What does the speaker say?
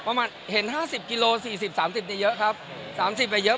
ประมาณเห็นห้าสิบกิโลสี่สิบสามสิบเยอะเยอะครับสามสิบไปเยอะ